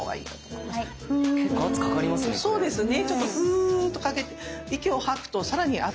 そうですね。